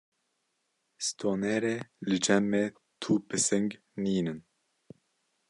Stonêrê: Li cem me tu pising nînin.